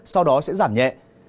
sau đó sẽ giảm nhẹ